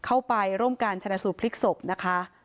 เข้าไปร่วมการชนะสูตรพลิกศพนะคะ